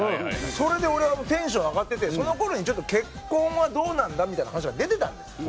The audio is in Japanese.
それで俺はもうテンション上がっててその頃にちょっと結婚はどうなんだみたいな話は出てたんですよ。